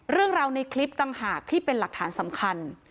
เรื่องราวในคลิปต่างหากที่เป็นหลักฐานสำคัญ